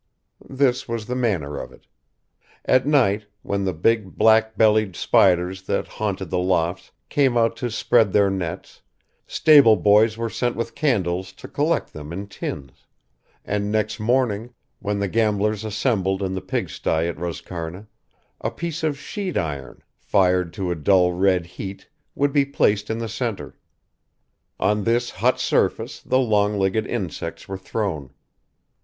This was the manner of it. At night, when the big black bellied spiders that haunted the lofts came out to spread their nets, stable boys were sent with candles to collect them in tins, and next morning, when the gamblers assembled in the pigsty at Roscarna a piece of sheet iron, fired to a dull red heat would be placed in the centre. On this hot surface the long legged insects were thrown.